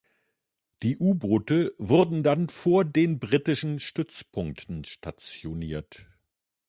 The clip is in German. Die U-Boote wurden dann vor den britischen Stützpunkten stationiert.